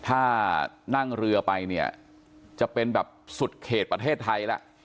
ถ้านั่งเรือไปจะเป็นสุดเขตประเทศไทย